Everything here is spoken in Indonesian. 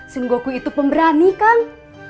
sunggoku itu pemberani kang